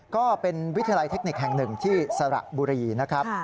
ก็เป็นวิทยาลัยเทคนิคแห่งหนึ่งที่สระบุรีนะครับ